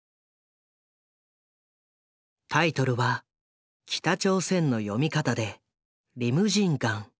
タイトルは北朝鮮の読み方で「リムジン江」。